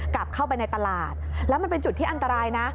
กลับเข้าไปในตลาดแล้วมันเป็นจุดที่อันตรายนะ